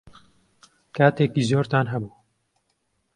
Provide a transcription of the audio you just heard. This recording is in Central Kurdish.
کاتێکی زۆرتان هەبوو.